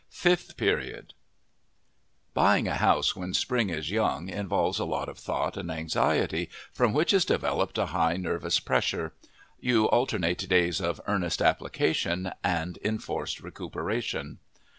FIFTH PERIOD Buying a house when spring is young involves a lot of thought and anxiety, from which is developed a high nervous pressure. You alternate days of earnest application and enforced recuperation.